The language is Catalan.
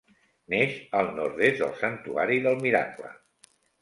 Neix al nord-est del Santuari del Miracle.